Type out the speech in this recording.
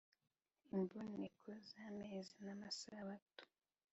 imboneko z’amezi n’amasabato